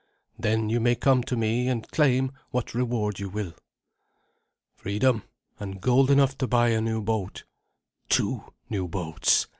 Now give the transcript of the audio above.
Then you may come to me and claim what reward you will." "Freedom, and gold enough to buy a new boat two new boats!"